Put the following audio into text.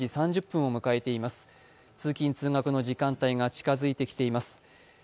通勤・通学の時間帯が近づいてきています。